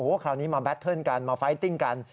โอ้โฮคราวนี้มาแบทเทิร์นกันมาไฟติ้งกัน